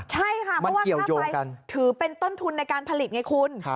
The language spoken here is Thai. ใช่ค่ะเพราะว่าค่าไฟถือเป็นต้นทุนในการผลิตไงคุณ